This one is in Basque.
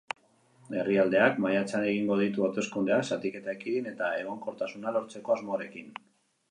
Herrialdeak maiatzean egingo ditu hauteskundeak zatiketa ekidin eta egonkortasuna lortzeko asmoarekin.